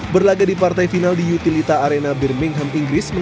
berlaga di partai final di utilita arena birmingham inggris